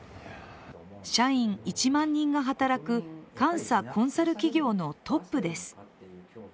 社員１万人が働く監査・コンサル企業のトップです。